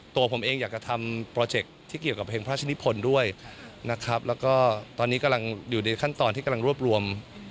ตัวผมเองอยากจะทำโปรเจคที่เกี่ยวกับเพลงพระราชนิพลด้วยนะครับแล้วก็ตอนนี้กำลังอยู่ในขั้นตอนที่กำลังรวบรวม